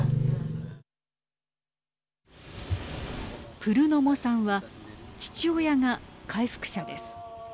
プルノモさんは父親が回復者です。